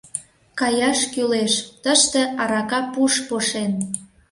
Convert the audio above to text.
Каяш кӱлеш, тыште арака пуш пошен...